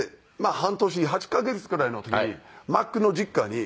半年８カ月ぐらいの時にマックンの実家に。